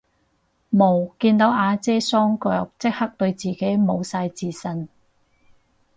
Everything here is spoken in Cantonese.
無，見到阿姐雙腿即刻對自己無晒自信